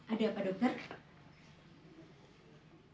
ada apa dokter